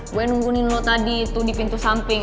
gue nunggunin lo tadi itu di pintu samping